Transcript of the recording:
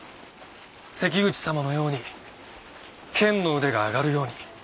関口様のように剣の腕が上がるように。